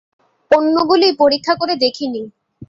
অন্যগুলি পরীক্ষা করে দেখি নি।